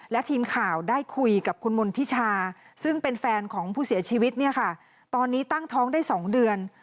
และทีมข่าวได้คุยกับคุณมณฑิชาซึ่งเป็นแฟนของผู้เสียชีวิตเนี่ยค่ะตอนนี้ตั้งท้องได้๒เดือน